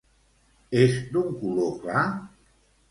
És d'un color clar?